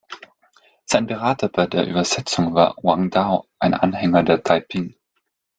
Sein Berater bei der Übersetzung war Wang Tao, ein Anhänger der Taiping.